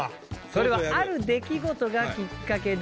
それはある出来事がきっかけで。